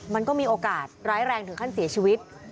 มันก็มีโอกาสร้ายแรงถึงขั้นเสียชีวิต